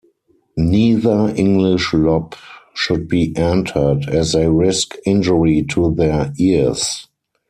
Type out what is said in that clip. Neither English Lop should be entered as they risk injury to their ears.